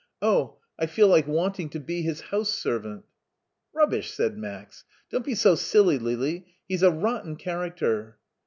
Oh! I feel like wanting to be his house servant." "Rubbish!" said Max. "Don't be so siUy, LiU; he's a rotten character."